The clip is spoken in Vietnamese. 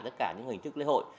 tất cả những hình thức lễ hội